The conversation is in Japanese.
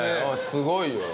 すごいよ。